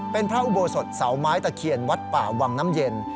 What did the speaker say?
เป็นพระอุโบสถเสาไม้ตะเคียนวัดป่าวังน้ำเย็น